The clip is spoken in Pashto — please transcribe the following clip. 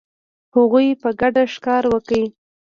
هغوی په ګډه ښکار وکړ.